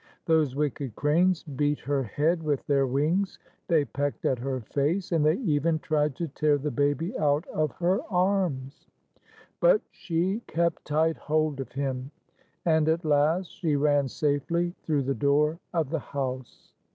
Those wicked cranes beat her head with their wings. They pecked at her face, and they even tried to tear the baby out of her arms ; but she kept tight hold of him, and, at last, she ran safely through the door of the house.